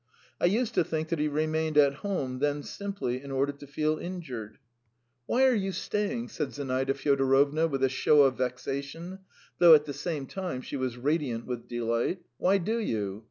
I used to think that he remained at home then simply in order to feel injured. "Why are you staying?" said Zinaida Fyodorovna, with a show of vexation, though at the same time she was radiant with delight. "Why do you?